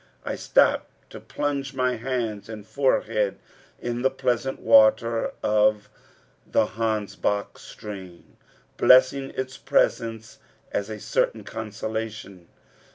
I stopped to plunge my hands and forehead in the pleasant water of the Hansbach stream, blessing its presence as a certain consolation.